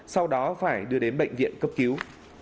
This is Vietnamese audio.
sau đó phải đưa đến bệnh viện cấp cứu